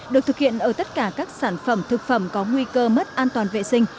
được thực hiện ở tất cả các sản phẩm thực phẩm có nguy cơ mất an toàn vệ sinh